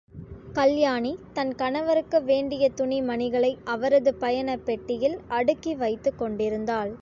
கல்யாணி தன் கணவருக்கு வேண்டிய துணிமணிகளை அவரது பயனப் பெட்டியில் அடுக்கி வைத்துக் கொண்டிருந்தாள்.